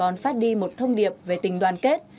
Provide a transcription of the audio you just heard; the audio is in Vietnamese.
là một thông điệp về tình đoàn kết